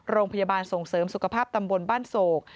โรงพยาบาลส่งเสริมสุขภาพตำบลบ้านโศก